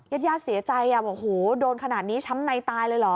ญาติญาติเสียใจอ่ะบอกโหโดนขนาดนี้ช้ำในตายเลยเหรอ